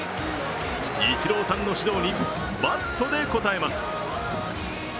イチローさんの指導にバットで応えます。